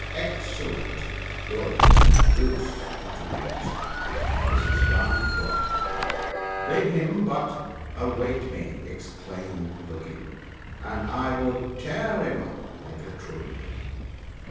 * Excellent good, Goose !' muttered the Minister. ' This is thy work !'* Bid him but await me !' exclaimed the King, * and I will tear him up like a tree